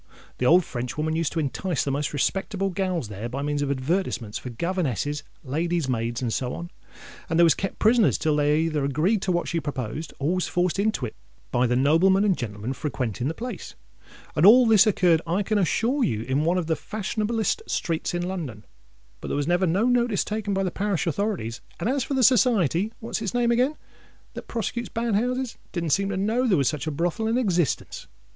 The old Frenchwoman used to entice the most respectable gals there by means of advertisements for governesses, ladies maids, and so on; and they was kept prisoners till they either agreed to what she proposed, or was forced into it by the noblemen and gentlemen frequenting the place. And all this occurred, I can assure you, in one of the fashion ablest streets in London. But there was never no notice taken by the parish authorities; and as for the Society—what's its name again?—that prosecutes bad houses, it didn't seem to know there was such a brothel in existence.